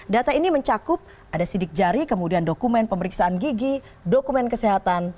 data ini mencakup ada sidik jari kemudian dokumen pemeriksaan gigi dokumen kesehatan